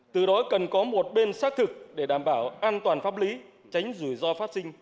từ đó cần có một bên xác thực để đảm bảo an toàn pháp lý tránh rủi ro phát sinh